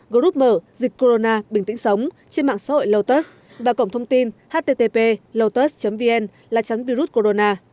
group mở dịch corona bình tĩnh sống trên mạng xã hội lotus và cổng thông tin http lotus vn là virus corona